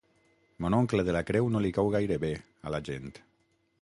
Mon oncle de la creu no li cau gaire bé, a la gent.